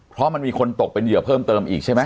เพราะมันมีคนตกเป็นเหยื่อเพิ่มเติมอีกใช่ไหม